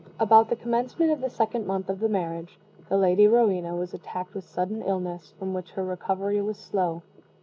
About the commencement of the second month of the marriage, the Lady Rowena was attacked with sudden illness, from which her recovery was slow.